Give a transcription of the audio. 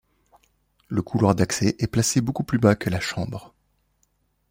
Le couloir d'accès est placé beaucoup plus bas que la chambre.